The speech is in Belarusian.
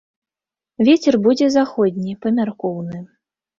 Вецер будзе заходні, памяркоўны.